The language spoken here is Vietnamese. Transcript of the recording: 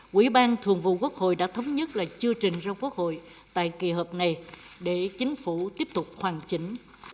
quỹ ban thường vụ quốc hội đã thống nhất là chưa trình ra quốc hội tại kỳ họp này để chính phủ tiếp tục hoàn chỉnh